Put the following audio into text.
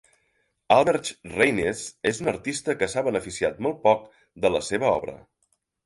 Albrecht Raines és un artista que s'ha beneficiat molt poc de la seva obra.